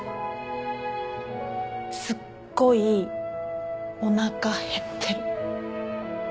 すっごいおなか減ってる。